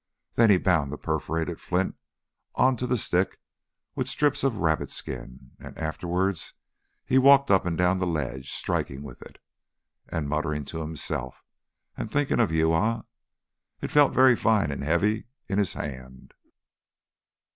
Then he bound the perforated flint on to the stick with strips of rabbit skin. And afterwards he walked up and down the ledge, striking with it, and muttering to himself, and thinking of Uya. It felt very fine and heavy in the hand.